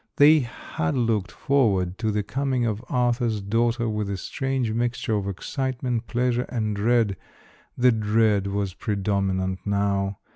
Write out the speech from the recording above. They had looked forward to the coming of Arthur's daughter with a strange mixture of excitement, pleasure, and dread. The dread was predominant now.